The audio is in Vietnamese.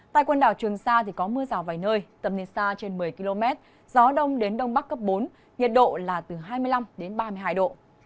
tại quần đảo trường sa có mưa rào vài nơi tầm nhìn xa trên một mươi km gió đông đến đông bắc cấp bốn nhiệt độ là từ hai mươi năm đến ba mươi hai độ